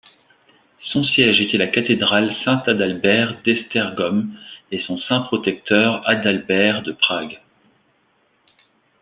Son siège était la cathédrale Saint-Adalbert d'Esztergom et son saint protecteur Adalbert de Prague.